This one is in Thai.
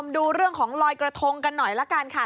ดูเรื่องของลอยกระทงกันหน่อยละกันค่ะ